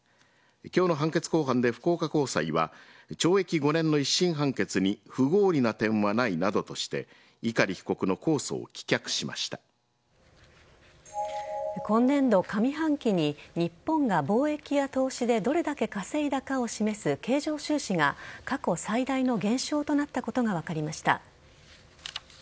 今日の判決公判で福岡高裁は懲役５年の一審判決に不合理な点はないなどとして今年度上半期に日本が貿易や投資でどれだけ稼いだかを示す経常収支が過去最大の減少となったことが分かりました。